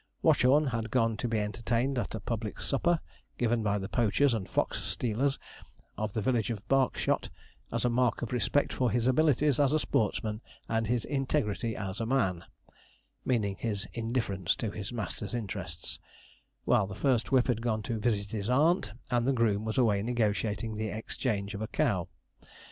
Watchorn had gone to be entertained at a public supper, given by the poachers and fox stealers of the village of Bark shot, as a 'mark of respect for his abilities as a sportsman and his integrity as a man,' meaning his indifference to his master's interests; while the first whip had gone to visit his aunt, and the groom was away negotiating the exchange of a cow.